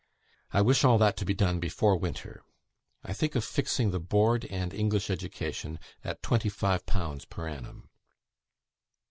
I wish all that to be done before winter. I think of fixing the board and English education at 25_l_. per annum."